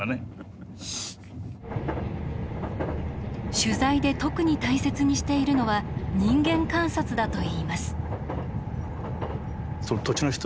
取材で特に大切にしているのは人間観察だといいます。